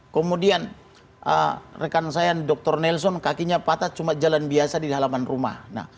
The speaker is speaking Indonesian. kemudian rekan saya dr nelson kakinya patah cuma jalan biasa di halaman rumah